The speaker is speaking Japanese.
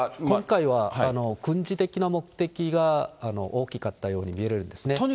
今回は軍事的な目的が大きかったように見えるんですね。